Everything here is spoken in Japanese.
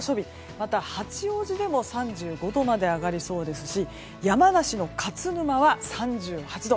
また、八王子でも３５度まで上がりそうですし山梨の勝沼は３８度。